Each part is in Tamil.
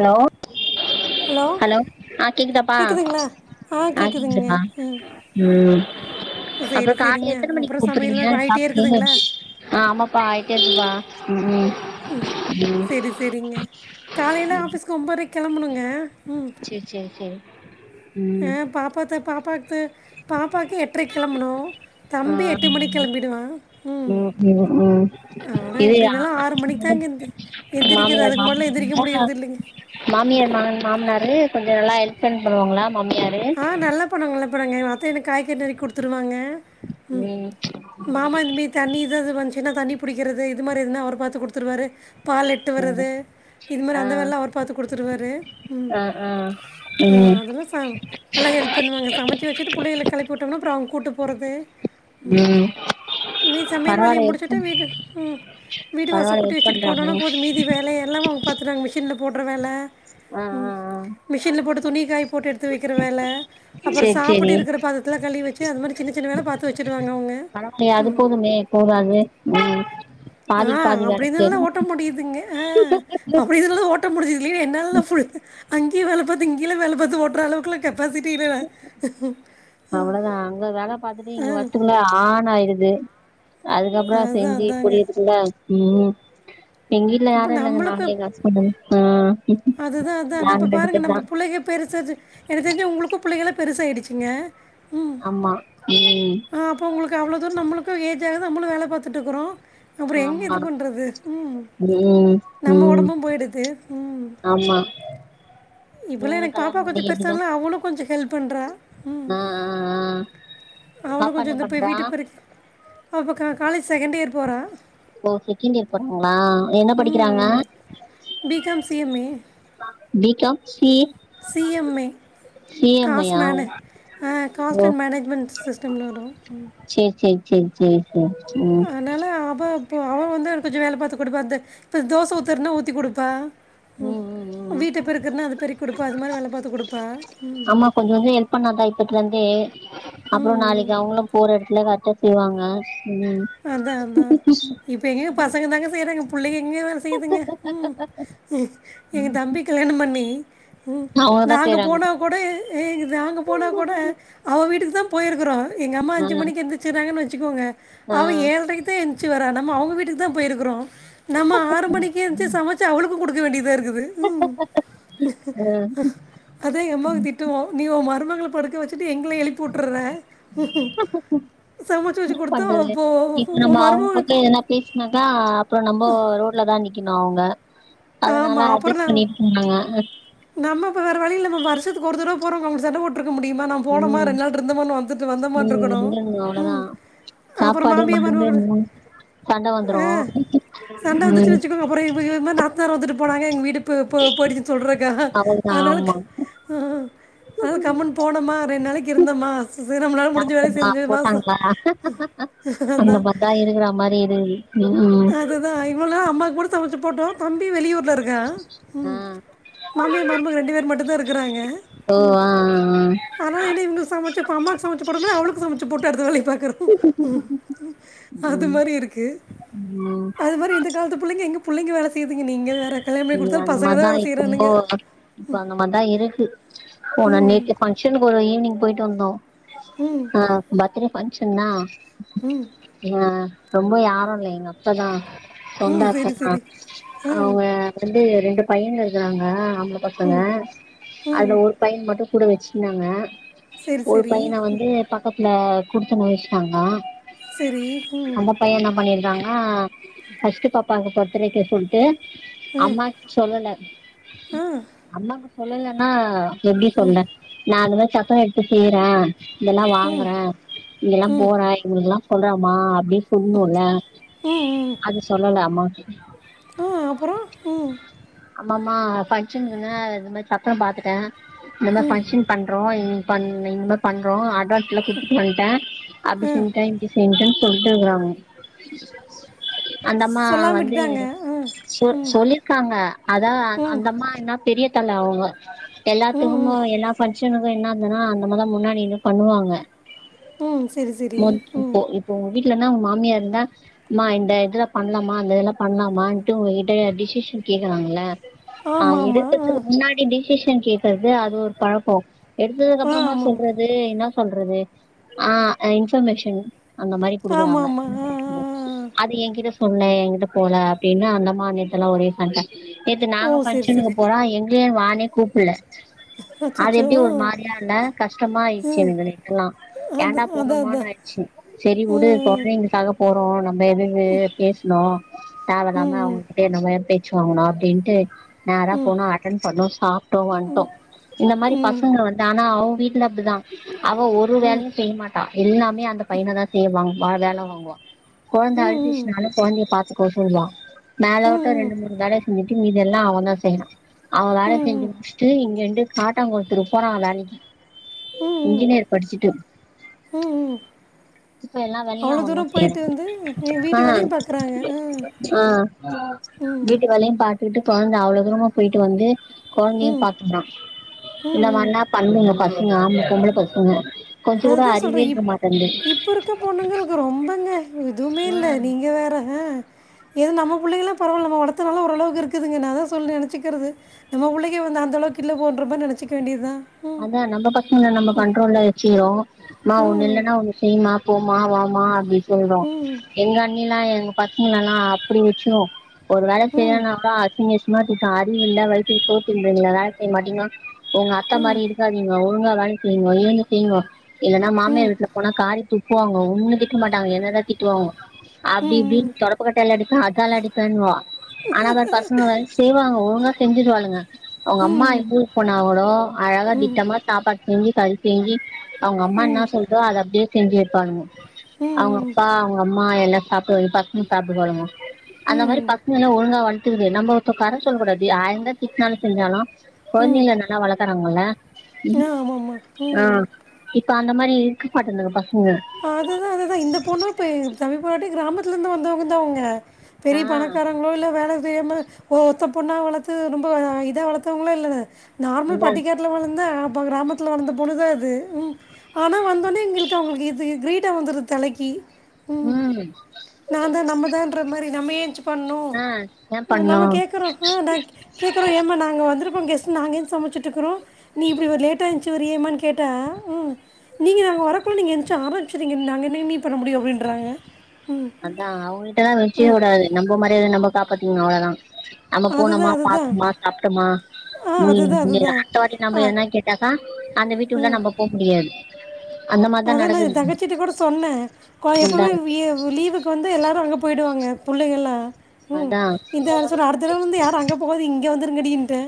ஹலோ ஹலோ ஆ கேக்குதாப்பா கேட்குதுங்களா ஆ கேட்குதுங்க கேக்குதுபா ம் ம் அப்போ சரி கால்ல சரிங்க எத்தன மணிக் அப்புறம் சமையல் கூப்புறீங்க வேலை ஆகிட்டே சாப்ட்டு இருக்குதுங்களா ஆமாப்பா ஆய்ட்டே இருக்குப்பா ம் ம் ம் ம் செரி செரிங்க காலேல ஆஃபீஸ்க்கு ஒம்போத்ரைக் கெளமுணுங்க ம் சேர் சேரி சேரி ஆ ம் பாப்பாத்தா பாப்பாத்க்கு பாப்பாக்கு எட்ரைக்கு கெளம்புனு தம்பி ஆ எட்டு மணிக் கெளம்பிடுவான் ம் ஆனா எப்டினாலு ஆறு மணி அதா மாமியாரு மாம் எந்திரிக்க இர்ந்தா முடியறது இல்லைங்க மாமியார் மா மாம்னாரு கொஞ்சோ நல்லா ஹெல்ப் பண்றவ்ங்குளா மாமியாரு நல்லா பண்ணுவ்ங் நல்லா பண்ணுவாங்க எங்க அத்த எனக் காய்கற் நருக்கி குடுத்துருவாங்க ம் மாமா இந்து மி தண்ணி இத அது வந்ச்சுன்னா தண்ணி புடிக்கிறது இது மாரி எதுனா அவரு பாத்து குடுத்துருவாரு பால்லெட்டு ம். வர்றது இது மாரி ஆ அந்த வேல்லாஅவர் பாத்து குடுத்துருவாரு ம் ஆ ஆ ஆ ம் அதலா சா ப்புலா ஹெல்ப் பண்ணுவாங்க சமச்சு வச்சுட்டு புள்ளைகள கெளப்பி உட்டுட்டோம்னா அப்புறோ அவ்ங்க கூட்டு போறது ம் மீ சமையல் வேலய பரவால்ல ஹெல்ப் முடிச்சுட்டு பண் வீட்டு ம் வீடு வாச பரவால்ல கூட்டி ஹெல்ப் வச்சுட்டு போனானா பண்றாங்களே போது மீதி வேலயெல்லாம் அவ்ங் பாத்துர்வாங்க மிஷின்ல போட்ற வேல ஆ ம் ஆ ஆ மிஷின்ல போட்டு துணி காய போட்டு எடுத்து வைக் வேல அப்புறோ சேரி சேரி சாப்புட்டு இருக்கிற பார்தத்தில கழிவ் வச்சு அது மாரி சின்ன சின்ன வேல பாத்து வச்சுடுவாங்க அவ்ங்க பரவாலையே அது போதுமே போதாது ம் பாதிக்கு பாதி வேல செய்ற அதா முடிதுங்க ஆ அப்டி இதுனாலதா ஓட்ட முடிது இல்லையே என்னாலலா ஃபுல் அங்கியு வேல பாத்து இங்கிலா வேல பாத்து ஓட்ற அளவுக்குல கெப்பாசிட்டி இல்லல அவுளதா அங்க வேல பாத்துட்டு இங்க வர்த்துக்குள்ள ஆன் ஆய்டுது அதுக்கப்புறோ அதான் செஞ்சு அதாங்க முடியர்துகுல்ல ம் எங்வீட்ல அப்போ யாரு இல்லங்க நானு எங் ஹஸ்பண்டு மட்தா அதுதா அதான இப்ப பாருங்க நம்ம புள்ளைக பெருசாச்சு எனக் தெரிஞ்சு உங்ளுக்கு பிள்ளைகலா பெருசாய்டுச்சிங்க ஆமா ம் உங்ளுக்கு அவ்ளோ தூரு நம்முளுக்கு ஏஜாகுது நம்முளு வேல பாத்துட்ருக்குறோ அப்புறோ எங்க ஆமா இது பண்றது ம் ம் நம்ம ம் ஒடம்பு போய்டுது ம் ஆமா இப்பலா இவுங்களுக்கு எனக்கு பாப்பா கல்யாணம் பண்ணி கொஞ்சு எப்டிதா பெருசான்னா அவுளு கொஞ்சு ஹெல்ப் பண்றா ம் ஆ ஆ ஆ அவளு பாப்பா கொஞ்சோ என்ன இந்த பே பண்றா வீட்ட பெருக் அவ இப்போ கா காலேஜ் செகெண்டியர் போறா ஓ செகெண்டியர் போறாங்ளா என்ன படிக்குறாங்க ம் BCom CMA B Com C C M A C M I cost யா மேனே ஆ ஓ காஸ்ட் அன்ட் மேனேஜ்மென்ட் சிஸ்டம்னு வரு ம் சேர் சேர் சேர் சேரி ம் ஆனால அவ இப்ப அவே வந்து எனக்கு கொஞ்சொ வேல பாத்து குடுப்பா அந்த இப்ப தோச ஊத்தற்ன்னா ஊத்தி குடுப்பா ம் வீட்ட பெருக்கற்னா அது பெருக்கி குடுப்பா அது மாரி வேல பாத்து குடுப்பா ம் ஆமா கொஞ்ச கொஞ்சோ பண்ணா தா இப்பத்லந்தே அப்றோ ம் நாளைக்கி அவுங்களு போற எடத்துல கர்ட்டா செய்வாங்க ம் அதா அதா இப்ப எங்கங்க பசங்க தாங்க செய்றாங்க புள்ளைக எங்க வேல செய்துங்க ம் எங்க தம்பி கல்யாணோ பண்ணி உ அவங்கதா நாங்க செய்றாங்க போனா கூட ஏ நாங்க போனா கூட அவ வீட்டுக்கு தா போய்ருக்குறோ எங்கம்மா ஆ அஞ்சு மணிக்கு எந்துச்சுறாங்கன் வச்சுக்கோங்க ஆ ஏழ்ரைக்கு தா என்ச்சு வரா நம்ம அவுங்க வீட்டுக்கு தா போய்ருக்குறோ நம்ம ஆறு மணிக்கே என்ச்சு சமச்சு அவளுக்கு குடுக்க வேண்டிதாருக்குது ம் ஹ் ஆ ஹூ அதா எ அம்மாக்கு திட்டுவோ நீ ஒ மருமகள படுக்க வச்சுட்டு எங்கள எழுப்பி வுட்டுற சமச்சு வச்சு என்ன குடுத்தா பண்றது அப்போ இப்ப நம்ம உன் அவுங் மருமக பக்கோ எதனா பேசுனாக்கா அப்றோ நம்போ ரோட்ல தா நிக்கணு அவுங்க ஆமா அதனால அப்புறோ அட்ஜஸ்ட் நா பண்ணிட்ன்னாங்க நம்ம இப்ப வேற வழியில்ல நம்ப வருஷத்துக்கு ஒரு தடவ போறோங்க அவுங்கட்ட சண்ட போ ட்ருக்க முடிமா நா போனம்மா ம் ரெண் நாள் இருந்தம்மான் வந்துட்டு ம் வந்தமான்ட்ருக்கணு வந்துருங்க அவ்ளோதா ம் அப்றோ சாப்பாடு மாமியா மருந்து மருமகள மூணு சண்ட வந்துரு ஆ சண்ட வந்துச்சுன் ம் வச்சுக்கோங்க அப்றோ இவுங்க இது மாரி நாத்தனார் வந்துட்டு போனாங்க எங் வீடு போ போ போடிச்சுன் சொல்றக்காக அவ்ளோதா அதனால ஆமா அதா கம்முனு போனமா ரெண் நாளைக்கி இருந்தம்மா நம்ளால முடிஞ்ச வேலய சாப்டமா செஞ்சமா அந்தமார் தா இருக்குற மாரி இருக்குது ம் ம் அதா இவ்ளே நாளா அம்மாக்கு மட்டு சமச்சி போட்டோ தம்பி வெளியூர்ல இருக்கா ஆ ம் மாமியா மருமக ரெண்டு பேர் மட்டுந்தா இருக்குறாங்க ஓ ம் ஆ ஆ ஆனாலு என்ன இவுங்களுக்கு சமச்சு ப்ப அம்மாக்கு சமச்சு போட்றமாரி அவளுக்கு சமச்சு போட்டு அடுத்த வேலய பாக்குறோ அது ம் மாரி இருக்கு ம் அது மாரி இந்த காலத்து புள்ளைங்க எங்க புள்ளைங்க வேல செய்து நீங்க வேற இல்லல்ல அந்த மார்தா இப்போ இப்போ அந்த மார்தா இருக்கு போன நேத்து பங்க்ஷனுக்கு ஒரு ஈவ்னிங் போய்ட்டு வந்தோ ம் ஆ பர்த்டே ஃபங்க்ஷன்னா ஆ ரொம்ப யாரு இல்ல எங்க அத்த தா சொந்த ம் அத்த சரி தா சரி ஆ அவுங்க வந்து ரெண்டு பையன்க இருக்குறாங்க ஆம்பள பசங்க அதுல ம் ஒரு பையன் மட்டு கூட வச்சுக்கினாங்க சரி ஒரு சரி பையன ம், வந்து ப க்கத்துல குடுத்தனோ வச்ட்டாங்க செரி ம் பையே என்ன பண்ணிருக்காங்க ஃபர்ஸ்ட்டு பாப்பாக்கு பத்துடேக்கு சொல்ட்டு அம்மா சொல்லல ஆ அம்மாக்கு சொல்லலன்னா எப்டி சொன்ன நா அந்த மாரி சட்னு எடுத்து செய்றே இதெல்லா வாங்குறேன் இங்கெல்லா ம் போறேன் இவங்ககெல்லாம் சொல்றாம அப்டின் சொடும்ல ம் ம் அது சொல்லலாமா ஆ அப்ரோ ம் ஆமா மா ஃபங்க்ஷன் இந்த மாரி சத்திரம் பாத்துட்டேன் இந்த மாரி ஃபங்க்ஷன் பண்றோ இந்த மாதிரி பண்றோ அட்வான்ஸ் எல்லாம் குப்பிட்டு பண்ணட்டேன் ஆ அப்படினு சொன் செஞ்சுடெனு சொல்லிக்கிறாங்க அந்தம்மா சொல்லாமல் வந்து விட்டுட்டாங்க ஆ சொ ம் சொல்லியிருக்காங்க அதான் ம் அந்தம் ஆமா ஏன்ன பெரிய தல அவங்க ம் எல்லாத்துக்கும் ம் எல்லா ஃபங்ஷன் என்ன ஆச்சின்னா அந்த மாதிரித்தான் முன்னாடி பண்ணுவாங்க ம் சரி சரி [inaudible] ம் ஒங்க வீட்லன்னா ஒங்க மாமியாரு தான் மா இந்த இதுல பண்லாமா அந்த இதுல பண்லாமான்ட்டு ஒங்க கிட்ட டிசிஷன் கேக் லாங்கள ஆ ஆமாம் எடுக்கதுக்கு ஆமாம் முன்னாடி டிசிஷன் கேக்குறது அது ஒரு பழக்கோம் எடுத்ததுக்கு ஆ ஆ அப்றமா ஆமாம் சொல்றது என்னா சொல்றது ஆ இன்ஃபர்மேஷன் அந்த மாரி கொடுக்குறாங்க ஆமாம் ஆமாம் ஆமாம் ஆ ஆ, ஆ அது எங்கிட்ட சொல்ல எங்கிட்ட போல அப்டினு அந்த அம்மா வீட்டுலலாம் ஒரே சண்ட நேத்து ஓ நாங்க சரி ஃபங்கஷனுக்கு சரி போறோ எங்கள வானே கூப்புல்ல அது அச்சோ எப்டி ஒரு மாதிரியா இல்ல கஷ்டமா ஆயிடுச்சு எங்களுக்கெல்லா அந்த ஏண்டா அதான் போனோமோன் அதான் ஆயிடுச்சு சரி வுடு ம் போடேன் இங்க போறோம் நம்ம எதுவு பேசுனோம் தேவ ம் இல்லாம ம் அவங்ககிட்ட நம்ம னும் அப்டின்ட்டு நேற போனும் அட்டன் பண்ணணும் வந்துட்டோம் இந்த மாதிரி ம் பசங்க வந்து ஆனா அவங்க வீட்டுல அப்டிதான் அவ ஒரு வேலையும் செய்யமாட்டா எல்லாமே அந்த பையன தா செய்வாங்க அவ வேல வாங்குவா கொழந்த ம் அழுதிச்சுனாலு கொழந்தைய பாத்துக்க சொல்லுவா மேல விட்ட ம் ரெண்டு மூனு வேல செஞ்சுட்டு மீதெல்லா அவன் தான் செய்றான் அவன் வேல ம் செஞ்சு முடிச்சுட்டு இங்கேந்து ஆட்டோ ஓட்டத்துக்கு போறான் வேலைக்கு ம் இன்ஜினியர் படிச்சுட்டு இப்ப எல்லா வேலையு அவ்ளோ அவந்தா தூரம் செய்யறா போயிட்டு வந்து வீட்டு ஆ வேலயும் பாக்குறாங்க ம் ஆ வீட்டு வேலையும் பாத்துக்கிட்டு கொழந்த அவ்ளோ தூரமா போயிட்டு வந்து கொழந்தையும் ம் ம் பாத்துகுறான் இல்லமா ம் என்ன பண்ணுங்க பசங்க ஆ பசங்க கொஞ்சோ கூட அறிவே இருக்க மாட்டேங்குது இப்ப இருக்க பொண்ணுங்களுக்கு ரொம்பங்க எதுவுமே இல்ல ம் நீங்க வேற அ இது நம்ம பிள்ளைலாம் பரவால நம்ம வளதுனால ஓரளவுக்கு இருக்குதுங்க நான் சொல்லி நெனச்சிக்கிறது நம்ம புள்ளக்கி வந்து அந்த அளவுக்கு இல்ல போன்றப்ப நெனச்சிக்க வேண்டியதான் அதான் நம்ம பசங்கல நம்ம கண்ட்ரோல்ல வச்சிகுறோ மா ஒண்ணு ம் இல்லன்னா ஒண்ணு செய்யுமா போமா வாமா அப்டின்னு போமா வாமா அப்படி நினை சொல்றோம் ம் எங்க அண்ணி எல்லா எங்க பசங்கலல்லாம் அப்படி வச்சி ஒரு வேல ம் செய்யலைனா கூட அது நீங்க சிமாத்திான் அது இல்லல வயிற்க்குங்கள மாட்டீங்கன்னா எங்க அத்த மாதிரி இருக் விட்றாதீங்கோ ஒழுங்கா வேலைய செய்ங்கோ இருந்து செய்ங்கோ இல்லன்னா மாமியார் ம் வீட்டு போனா காரி துப்புவாங்கோ ஒண்ண திட்ட மாட்டாங்க என்னதா திட்டுவாங்கோ அது ம் இப்டின்னு தொடப்ப கட்டயால அடிப்பேன் அதால அடிப்பேன்னுவா ஆனா அவ பசங்க வைஸ் செய்வாங்க ஒழுங்கா செஞ்சுட்டு வாளுங்க அவங்க அம்மா ம் எப்படி போனாக்களோ அழகா வீட்ட அம்மா சாப்பாடு செஞ்சி களி செஞ்சி அவங்க ம் அம்மா என்ன சொல்தோ அத அப்டியே செஞ்சி வைப்பாளுங்க ம் அவுங்க ம், அப்பா அவுங்க அம்மா எல்லா [unintelligible] ஃபஸ்ட் [unintelligible] அந்த மாரி ம் பசங்க லா ஒழுங்கா வளத்தக்குது நம்ம ஒருத்தர் கொர சொல்லக் கூடாது ஆயிரந்தா திட்னாலு செஞ்சாலும் ம் கொழந்தைங்கள நல்லா வளக்கறாங்கல்ல ஆ ஆமாம்மா ஆ ம் இப்ப அந்த மாரி இருக்க மாட்டுதுங்க பசங்க அதுதா அதுதா இந்த பொண்ணு இப்ப தம்பி பொண்டாட்டி கிராமத்துல இருந்து வந்தவங்க தா அவங்க ஆ பெரிய பணக்காரங் புவல்ல வேல செய்யாம ஒத்த பொண்ணா வளர்த்து ரொம்ப இத வளர்த்தவங்களோ இல்ல நார்மல் அதா பண்டிக தில வளந்த அப்ப கிராமத்தில வளந்த பொண்ணுதா அது உ ஆனா வந்தோனே எங்களுக்கு அவங்களுக்கு இது கிரீடோ வந்துருது தலைக்கி உ நா தா நம்ம தாகுற மாதிரி நம்ம ஏன் பண்ணுவோ ஆ ஏ பண்ணு நம்ம கேக்குறோ அ நா ஏன் நா கேக் கேக்குறோ ஏமா நாங்க வந்திருக்கோ கெஸ்ட் நாங்க எந்திச்சி சமச்சிட்டு இருக்கோ நீ இப்படி ஒரு லேட் எந்திச்சி த்திச்சு வரியேமானு கேட்டா நீங்க நாங்க வரக்குள்ள நீங்க எந் ஆரம்பிச்சிரங்க நாங்க என்னங்கண்ணி பண்ண முடியு அப்படின்றாங்க அதா அவுங்கள்ட்டலாம் வச்சிக்க ம், கூடாது நம்ப மரியாதய நம்ப காப்பாத்திகனு அவ்ளோதா அம்ம போனமா அதுதான் அதுதான் பாத்தமா சாப்டோமா ஆ உ அதுதான் இங்க அதுதான் நாத்தவட்டி ஆ நம்ம என்னன்னு கேட்டாக்கா அந்த வீட்டு உள்ள நம்ம போக முடியாது அந்த மாரிதா அதா நா என் நடக்குது தங்கச்சிட்ட கூட சொன்னே கொ அதா எப்பமே லீவுக்கு வந்து எல்லாரு அங்க போயிடுவாங்க பிள்ளைங்களலா ம் அதா இந்த வருஷத்தோட அடுத்த தடவ வந்து யாரு அங்க போகாதிங்க இங்க வந்துருங்கடின்னுட்டே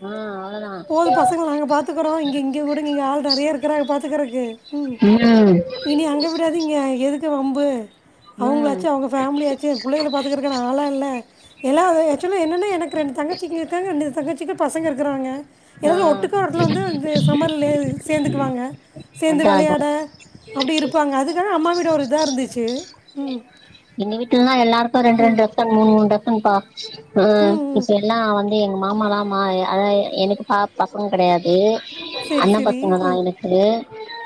ஆ அவ்ளோதா போது பசங்கள நாங்க பார்த்துக்குறோ இங்க இங்க கூடுங்க இங்க ஆள் நிறைய இருக்கிறாங்க பாத்துக்குறதுக்கு உ இனி அங்க விடாதீங்க எதுக்கு வம்பு ம் அவங்களாச்சு அவுங்க ஃபேமிலியாச்சு பிள்ளை ஓல பார்த்துக்கிறதுக் ஆளா இல்ல எல்லா அது ஆக்சுலி என்னென்னா எனக்கு ரெண்டு தங்கச்சிங்க இருக்காங்க ரெண்டு தங்கச்சிக்கு பசங்க இருக்குறாங்க ஆ எல்லாரு ஒட்டுக்கா அதுல வந்து வந்து சம்மர்ல சேந்துக்குவாங்க சேர்ந்து அதா அதா விளையாட அப்டி இருப்பாங்க அதுனால அம்மாவீடு அவ்லோ ஒரு இத இருந்துச்சி உ எங்க வீட்டுலல்லா எல்லாருக்கு ரெண்டு ரெண்டு டிரெஸு மூணு மூணு டிரெஸுங்பா ம் ம் எனா வந்து எங்க மாமாலா மா அதன் எனக்கு பா பசங்க கெடையாது சரி அண்ணா சரி பசங்க எல்லா ம் எனக்கு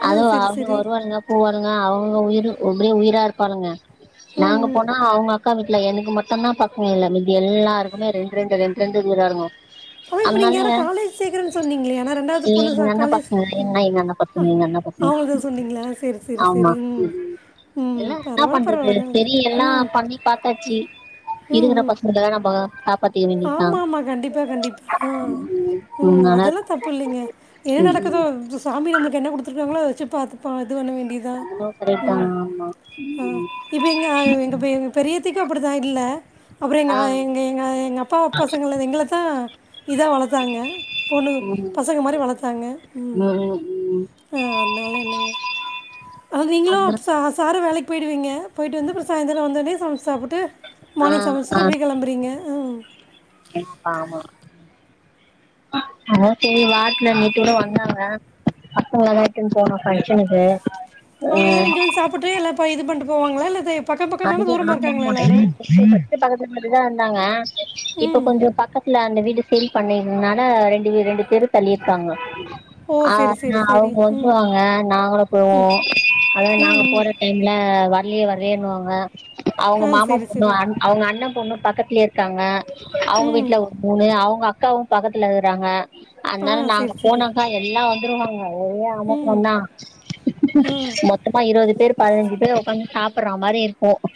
ஆ அதுவா சரி அவுளுங்க சரி வருவாளுங்க போவாளுங்க அவுங்க உயிர் ஓரே உயிரா இருப்பாளுங்க ம் நாங்க ம் போனா அவுங்க அக்கா வீட்டுல எனக்கு மட்டுதா பக் மிதி எல்லாமே இது எல்லாருக்குமே ரெண்டு ரெண்டு ரெண்டு ரெண்டு இரளுங்க ஓய் இப்ப நீங்க யாரயோ காலேஜ் சேக்குறேன்னு சொன்னீங்களே ஆனா ரெண்டாவது ஏ பொண்ணு ச எங்க அண்ண காலேஜ் பசங்க என்ன எங்க அண்ண ஆ பசங்க எங்க அண்ண பசங்க அவுங்களுக் சொன்னீங்களா செரி செரி ஆமா செரி என்ன என்னா பண்றது ம் சேரி எல்லா ம் பண்ணி பாத்தாச்சி இருக்குற பசங்க தா நம்ப ஆமா மா கண்டிப்பா கண்டிப்பா ஆ உ அதனால அதெல்லா தப்பு இல்லிங்க ஏன் ம் ம் நடக்குது சாமி நம்மளுக்கு என்ன கொடுத்துருக்காங்களோ அத வச்சு பாத்துபோ இது ஒண்ணு வேண்டி சும்மா கடைபான ஆமா ம் இப்ப எங்க எங்க பெரிய அத்தைக்கு அப்படித்தா இல்ல அப்றோ ஆ எங்க எங்க அப்பா ஓ பசங்கள எங்க தா இதா வளத்தாங்க பொண்ணு ம் பசங்க மாரி வளத்தாங்க ம் ஆ அதுனால என்னெங்க அதாது நீங்களு அதா சா சாரு வேலைக் போயிடுவீங்க போயிட்டு வந்து சாயந்திர வந்த உடனே சமச்சி சாப்பிட்டு ஆ மானிங் சமச்சுட்டு இப்டி கிளம்புறீங்க அம் கிட் ஆமா அதா சேரி வாரத்துல நேட்டு கூட வந்தாங்க அப்போ நல்ல இருக்குனு போனோ ஃபங்ஷனுக்கு அவங்க எல்லாரு இங்கே வந்து சாப்ட்டு எல்லா இதுபண்ணிட்டு போவாங்களா இல்ல இது பக்கம் பக்கம் தானா தூரமா இருக்காங்களா எல்லாரும் ஃபஸ்ட் பக்கத்துல மாதிரி தா இருந்தாங்க இப்ப கொஞ்ச பக்கத்துல அந்த வீடு பெய் பண்ணேருனால ரெண்டு வீட் ரெண்டு தெரு தள்ளியிருக்காங்க ஓ சரி ஆனா சரி சரி அவுங்க ம் வந்துருவாங்க நாங்களு போவோ அதா ம் நாங்க ம். போற டைம்ல வர்லயே வர்லயேனுவாங் க அவுங்க ஆ மாமா சரி பொண்ணு சரி அவுங்க அண்ணன் பொண்ணு பக்கத்திலயே இருக் காங்க அவுங்க ம் வீட்ல ஒரு மூணு அவுங்க அக்காவு பக்கத்துல இருகுறாங்க ஆ அனால நாங்க சரி சரி போனாக்கா எல்லா வந்துருவாங்க ஒரே நம்ம ம் பொண்ணா ஆ மொத்தமா இருவது பேர் பதினஞ்சு பேர் உக்காந்து சாப்புற மாரி போகு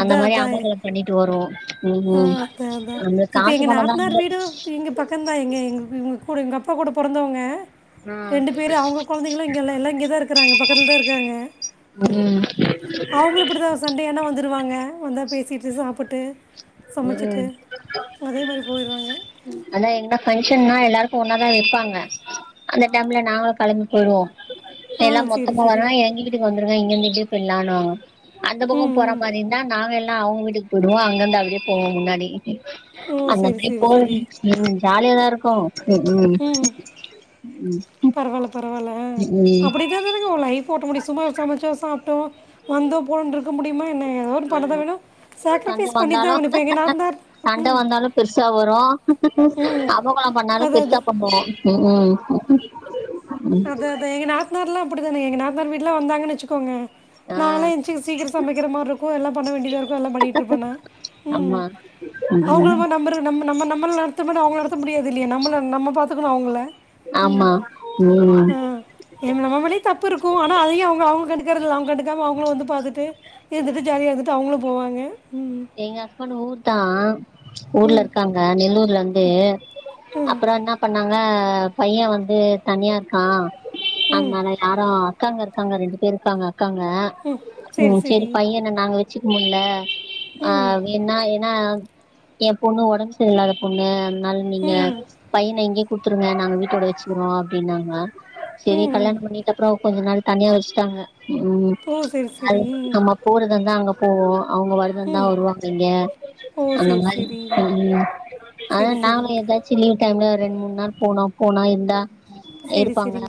அந்த மாரி அதான் அமக்கள பண்ணிட்டு வருவோ ம் ஆ ம் அதான் அதான் அந்த காசு பணந்தா இல்ல பக்கந்தா எங்க எங்க எங் கூட எங்க அப்பா கூட பொறந்தவங்க ம் ரெண்டு பேரு அவுங்க கொழந்தைங்களு இங்கல்ல எல்லா இங்க தா இருக்கிறாங்க பக்கத்துல தா இருக்காங்க ம் அவுங்களு இப்டிதா சண்டேயானா வந்துருவாங்க வந்தா பேசிட்டு சாப்புட்டு சமைச்சிட்டு ம் ஒரே மாரி போயிருவாங்க அதா என்ன ஃபங்க்ஷன்னா எல்லாருக்கும் ஒன்னா தா வைப்பாங்க அந்த டைம்ல நாங்களு கெளம்பி போயிடுவோ ஆ எல்லா சரி மொத்தமா சரி வரா எங்க வீட்டுக்கு வந்துருங்க இங்க இருந்து இப் போயில்லானுவாங்க அந்த பக்க ம் போற ம் மாரி இருந்தா நாங்க எல்லா அவுங்க வீட்டுக்கு யிடுவோ அங்கந்து அப்டியே போவோ முன்னாடி ஓ அந்த சரி மாரி சரி போவோ சரி ம் ஜாலியாதா இருக்கும் ம் ம் பரவால்ல பரவால்ல அப்டிதானுங்க லைஃப் ஓட்ட முடியு சும்மா சமச்சோ சாப்ட்டோ வந்தோ போனோனு இருக்க முடியுமா என்ன எதோ ஒன்னு பண்ணதா வேணு சண்ட சாக்ரிஃபெஸ் வந்தாலு பண்ணிதாகனு இப்ப எங்க நாத்தனார் சண்ட ம் வந்தாலு பெருசா வரு ம் அமர்க்கள பண்ணாலு அது அது பெருசா பண்ணுவோ ம் அதா அதா எங்க நாத்தனார்ல்லா அப்டிதானே எங்க நாத்தனார் வீட்லா வந்தாங்கன்னு வச்சுக்கோங்க ஆ நாலா எந்திச்சு சீக்கிரொ சமக்கிற மாரி இருக்கும் எல்லா பண்ண வேண்டியதா இருக்கு எல்லா பண்ணிட்டுருப்பே நா ஆமா அவுங்கள ம் மாரி நம்றது நம் நம்ம நம்மள நடத்த விட அவுங்கள நடத்த முடியாது இல்லயா நம்மள நம்ம பாத்துக்கணு அவுங்கள ஆமா ம் என் நம்ம மேலயு தப்பு இருக்கும் ஆனா அதயு அவுங்க அவுங்க கண்டுக்குறது இல்ல அவுங்க கண்டுக்காம அவுங்களு வந்து பாத்துட்டு எந்துட்டு ஜாலியா இருந்துட்டு அவங்களு போவாங்க ம் எங்க ஹஸ்பண்ட் ஊர்தா ஊர்ல ம் இருக்காங்க நெல்லூர்ல இருந் து ம் அப்பறோ என்ன பண்ணாங்க பைய வந்து தனியா இருக்கா ம் அதனால யாரு அக்காங்க ருக்காங்க ரெண்டு பேரு இருக்காங்க அக்காங்க ம் சரி ம் செரி சரி பையன நாங்க வச்சுக்கனுல்ல ம் ஆங் என்னா ஏனா எ பொண்ணு ஒடம்பு சரி இல்லாத பொண்ணு னால நீங்க ம் பையன இங்கே குடுத்துருங்க நாங்க வீட்டோட வச்சுக்கிறோம் அப்டின்னாங்க செரினு ம் கல்யாணம் பண்ணிட்ட அப்றொ கொஞ்ச நாள் தனியா வச்சுட்டாங்க ம் ஓ சரி அது சரி நம்ம போறதா இருந்தா அங்க போவோ அவுங்க வர தா ருந்தா வருவாங்க இல்லயா ஓ அந்த சரி மாரி சரி ஆனா சரி நாங்க சரிங்க எதாச் சிலிங் டைம்ல ஒரு ரெண்டு மூணு நாள் போனோ போனா இருந்தா சரி இருப்பாங்க சரிங்க